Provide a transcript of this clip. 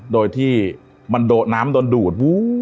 โดยที่น้ำมันโดนดูด